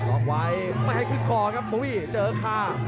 ออกไว้ไม่ให้ขึ้นคอครับโบวี่เจอคา